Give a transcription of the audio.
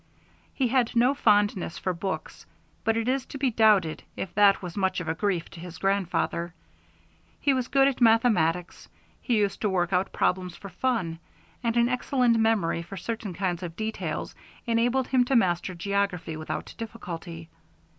He had no fondness for books, but it is to be doubted if that was much of a grief to his grandfather. He was good at mathematics, he used to work out problems for fun, and an excellent memory for certain kinds of details enabled him to master geography without difficulty.